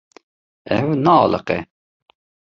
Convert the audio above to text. Ew naaliqe.